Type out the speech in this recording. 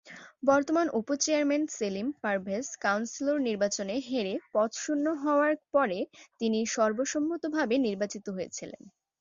বর্তমান উপ-চেয়ারম্যান সেলিম পারভেজ কাউন্সিল নির্বাচনে হেরে পদ শূন্য হওয়ার পরে তিনি সর্বসম্মতভাবে নির্বাচিত হয়েছিলেন।